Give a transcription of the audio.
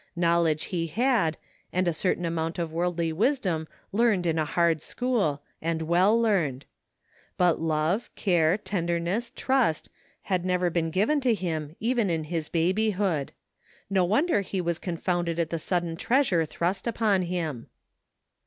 Knowledge he had, and a certain amoimt of worldly wisdom learned in a hard school, and well learned; but love, care, tenderness, trust, had never been given to him even in his baby hood. No wonder he was confoimded at the sudden treasure thrust upon him.